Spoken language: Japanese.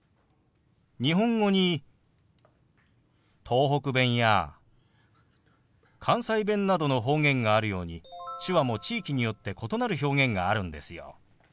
日本語に東北弁や関西弁などの方言があるように手話も地域によって異なる表現があるんですよ。